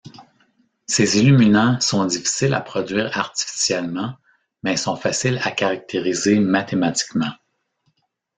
Ces illuminants sont difficiles à produire artificiellement mais sont faciles à caractériser mathématiquement.